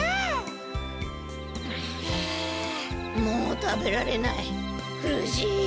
もう食べられない。